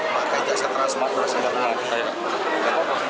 maka ijasa transportasi tidak mungkin